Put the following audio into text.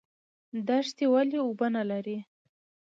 دښتې ولې اوبه نلري؟